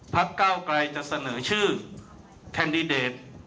ภักดิ์เก้าไกลจะเสนอชื่อแคดดาต